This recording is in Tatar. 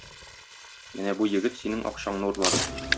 Менә бу егет синең акчаңны урлады.